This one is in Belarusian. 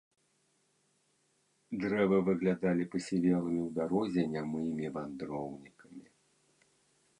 Дрэвы выглядалі пасівелымі ў дарозе нямымі вандроўнікамі.